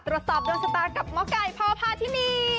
ตัวสอบดวงชะตากับหมอไกรพาวภาพที่นี่